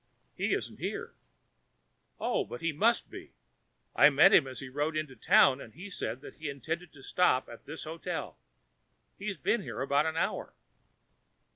"He isn't here." "Oh, but he must be. I met him as he rode into town, and he said that he intended to stop at this hotel. He has been here about an hour."